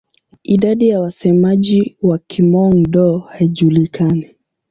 Idadi ya wasemaji wa Kihmong-Dô haijulikani.